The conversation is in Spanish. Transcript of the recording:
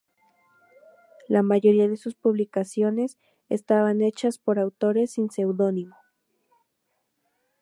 La mayoría de sus publicaciones estaban hechas por autores sin seudónimo.